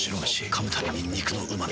噛むたびに肉のうま味。